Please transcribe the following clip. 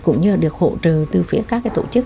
cũng như là được hộ trừ từ phía các cái tổ chức